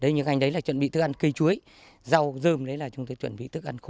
những ngành đấy là chuẩn bị thức ăn cây chuối rau dơm đấy là chúng tôi chuẩn bị thức ăn khô